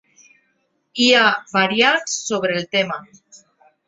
Hi ha variants sobre el tema.